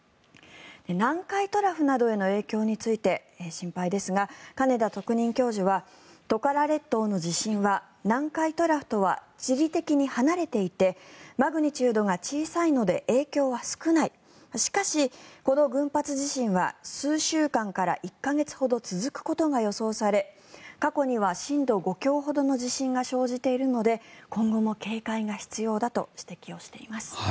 南海トラフなどへの影響について心配ですが金田特任教授はトカラ列島の地震は南海トラフとは地理的に離れていてマグニチュードが小さいので影響は少ないしかし、この群発地震は数週間から１か月ほど続くことが予想され過去には震度５強ほどの地震が生じているので今後も警戒は必要だとしています。